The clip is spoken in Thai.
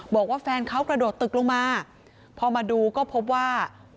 บอกว่าแฟนเขากระโดดตึกลงมาพอมาดูก็พบว่า